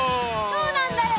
そうなんだよ。